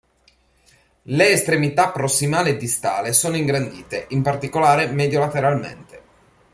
Le estremità prossimale e distale sono ingrandite, in particolare medio-lateralmente.